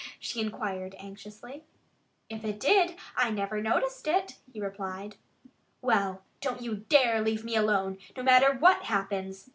she inquired anxiously. "If it did, I never noticed it," he replied. "Well, don't you dare to leave me alone, no matter what happens!"